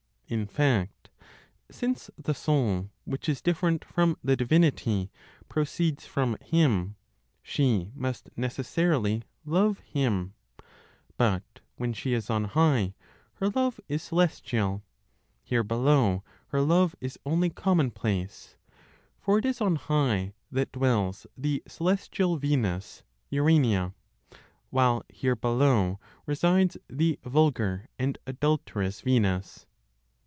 In fact, since the soul, which is different from the divinity, proceeds from Him, she must necessarily love Him; but when she is on high her love is celestial; here below, her love is only commonplace; for it is on high that dwells the celestial Venus (Urania); while here below resides the vulgar and adulterous Venus.